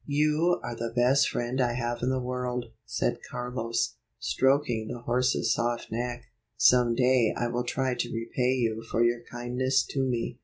"You are the best friend I have in the world," said Carlos, stroking the horse's soft neck. "Some day I will try to repay you for your kindness to me."